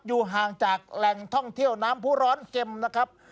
อยู่ห่างจากแหล่งท่องเที่ยวน้ำผู้ร้อนเข็มนะครับ